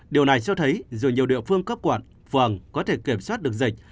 điều này cho thấy dù nhiều địa phương cấp quận phường có thể kiểm soát được dịch